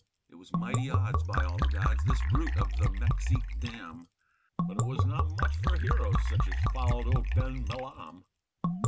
It was mighty odds, by all the gods, this brute of the Mexique dam, But it was not much for heroes such as followed old Ben Milam!